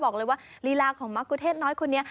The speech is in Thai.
บอกเลยว่าลีลาของมะกุเทศน้อยคนนี้